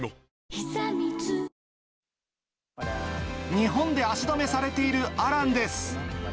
日本で足止めされているアランです。